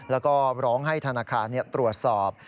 แล้วก็ร้องให้ธนาคารตรวจสอบ